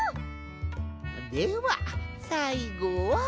ではさいごは。